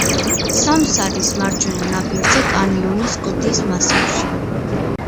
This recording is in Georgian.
სამსარის მარჯვენა ნაპირზე, კანიონის კლდის მასივში.